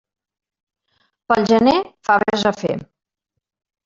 Pel gener, faves a fer.